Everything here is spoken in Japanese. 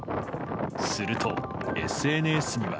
すると、ＳＮＳには。